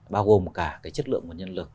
bao gồm cả cái chất lượng và nhân lực